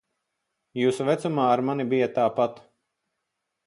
Jūsu vecumā ar mani bija tāpat.